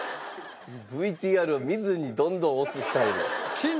ＶＴＲを見ずにどんどん押すスタイル。